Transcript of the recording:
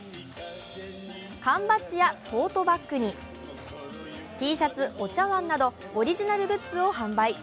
缶バッジやトートバッグに、Ｔシャツ、お茶わんなどオリジナルグッズを販売。